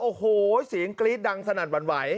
โอ้โหเสียงกรี๊ดดังสนั่นหวั่นไหว